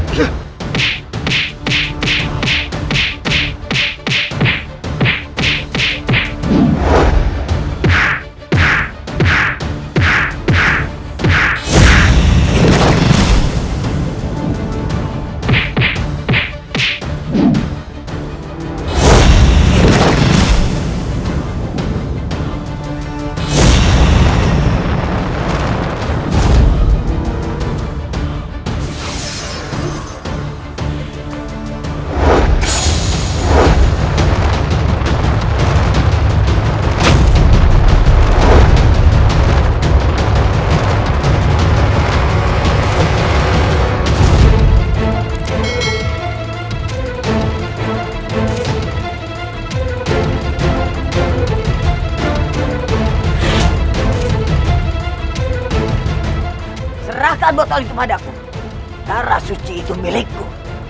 kau harus menjadi istriku